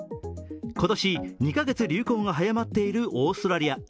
今年、２か月流行が早まっているオーストラリア。